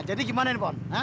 jadi gimana ini bon